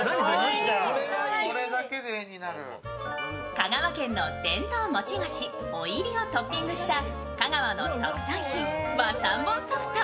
香川県の伝統餅菓子・おいりをトッピングした香川の特産品、和三盆ソフト。